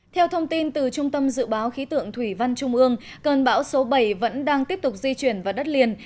theo thông tin từ trung tâm dự báo khí tượng thủy văn trung ương cơn bão số bảy vẫn đang tiếp tục di chuyển vào đất liền